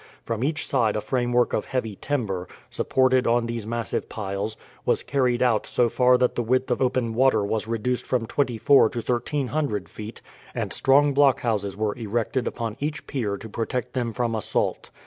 From each side a framework of heavy timber, supported on these massive piles, was carried out so far that the width of open water was reduced from twenty four to thirteen hundred feet, and strong blockhouses were erected upon each pier to protect them from assault.